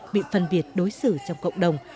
bị phân biệt đối xử trong cộng đồng